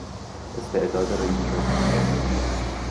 استعداد رییس جمهور شدن